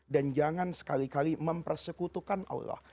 dan jangan sekali kali mempersekutukan allah